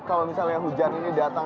kalau misalnya hujan ini datang